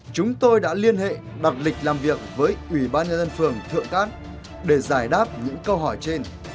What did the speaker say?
chúng tôi đã liên hệ đặc lịch làm việc với ủy ban nhân dân phường thượng cát để giải đáp những câu hỏi trên